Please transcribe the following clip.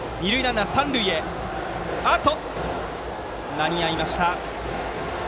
間に合いました。